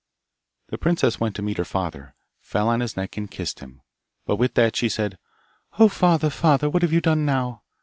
The princess went to meet her father, fell on his neck and kissed him, but with that she said, 'O father, father! what have you done now?